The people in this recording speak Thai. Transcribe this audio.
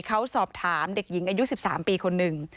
เขาสอบถามเด็กหญิงอายุ๑๓ปีคนหนึ่ง